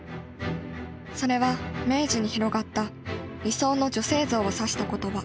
それは明治に広がった理想の女性像を指した言葉。